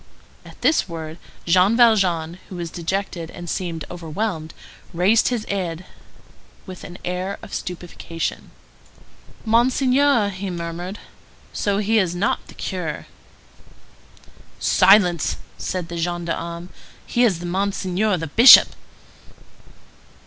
At this word, Jean Valjean, who was dejected and seemed overwhelmed, raised his head with an air of stupefaction. "Monseigneur!" he murmured. "So he is not the curé?" "Silence!" said the gendarme. "He is Monseigneur the Bishop."